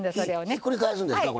ひっくり返すんですか？